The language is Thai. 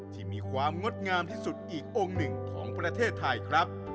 ที่มีความงดงามที่สุดอีกองค์หนึ่งของประเทศไทยครับ